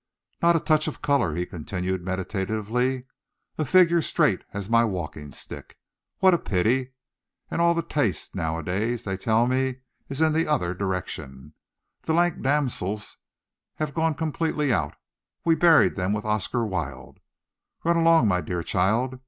"Not a touch of colour," he continued meditatively, "a figure straight as my walking stick. What a pity! And all the taste, nowadays, they tell me, is in the other direction. The lank damsels have gone completely out. We buried them with Oscar Wilde. Run along, my dear child.